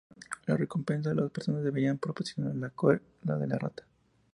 Para cobrar la recompensa, las personas debían proporcionar la cola de la rata.